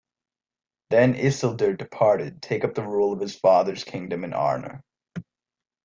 Then Isildur departed to take up the rule of his father's kingdom in Arnor.